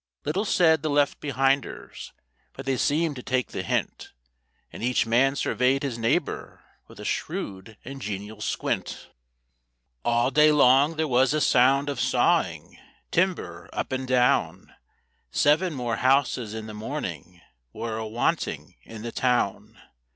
Little said the Left behinders, but they seemed to take the hint, And each man surveyed his neighbour with a shrewd and genial squint; All day long there was a sound of sawing timber up and down, Seven more houses in the morning were a wanting in the town.